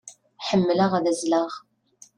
Ḥemmleɣ ad azzleɣ.